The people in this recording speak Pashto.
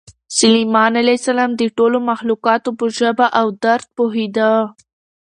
سلیمان علیه السلام د ټولو مخلوقاتو په ژبه او درد پوهېده.